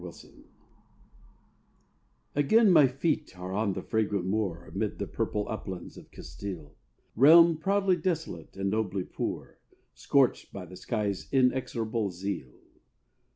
AVILA Again my feet are on the fragrant moor Amid the purple uplands of Castile, Realm proudly desolate and nobly poor, Scorched by the sky's inexorable zeal.